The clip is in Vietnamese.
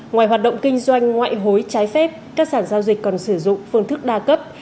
ngoài hoạt động kinh doanh ngoại hối trái phép các sản giao dịch còn sử dụng phương thức đa cấp